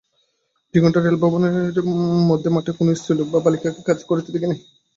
দুই ঘণ্টা রেল ভ্রমণের মধ্যে মাঠে কোন স্ত্রীলোক বা বালিকাকে কাজ করিতে দেখি নাই।